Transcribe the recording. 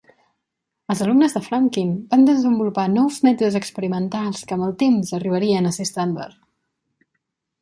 Els alumnes de Frumkin van desenvolupar nous mètodes experimentals que, amb el temps, arribarien a ser estàndard.